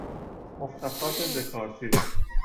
مختصات دکارتی